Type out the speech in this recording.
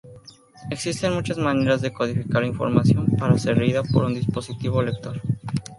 Existen muchas maneras de codificar la información para ser leída por un dispositivo lector.